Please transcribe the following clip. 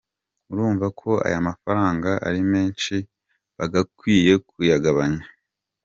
Urumva ko aya mafaranga ari menshi bagakwiye kuyagabanya.